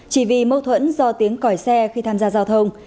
chỉ vì mâu thuẫn do tiếng còi xe khi tham gia giao thông